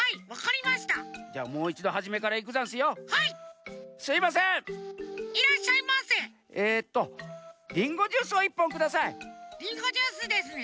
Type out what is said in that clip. りんごジュースですね。